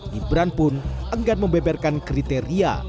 gibran pun enggan membeberkan kriteria